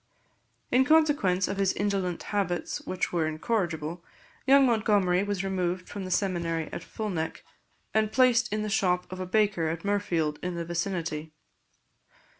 In consequence of his indolent habits, which were incorrigible, young Montgomery was removed from the seminary at Fulneck, and placed in the shop of a baker at Mirfield, in the vicinity.